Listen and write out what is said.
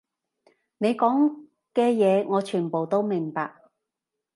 你講嘅嘢，我全部都明白